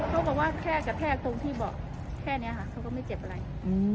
เขาก็บอกว่าแทรกจะแทรกตรงที่บอกแค่เนี้ยค่ะเขาก็ไม่เจ็บอะไรอืม